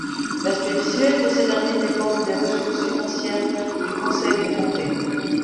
L'aspect visuel de ses derniers dépendent des ressources financière du conseils de comté.